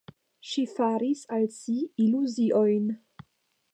Ŝi faris al si iluziojn.